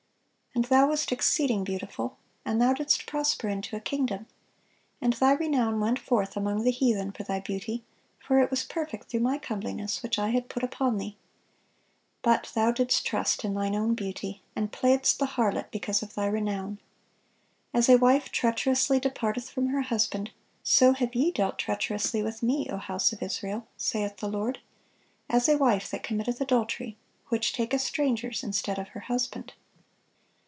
"And thou wast exceeding beautiful, and thou didst prosper into a kingdom. And thy renown went forth among the heathen for thy beauty: for it was perfect through My comeliness, which I had put upon thee.... But thou didst trust in thine own beauty, and playedst the harlot because of thy renown." "As a wife treacherously departeth from her husband, so have ye dealt treacherously with Me, O house of Israel, saith the Lord;" "as a wife that committeth adultery, which taketh strangers instead of her husband."